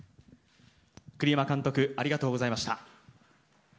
栗山監督ありがとうございました。